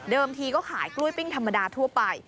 ทีก็ขายกล้วยปิ้งธรรมดาทั่วไป